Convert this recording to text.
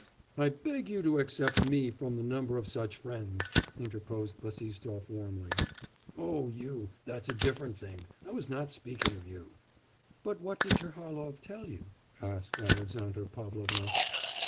'I beg you to except me from the number of such friends!' interposed Bassistoff warmly. 'Oh, you that's a different thing! I was not speaking of you.' 'But what did Terlahov tell you?' asked Alexandra Pavlovna.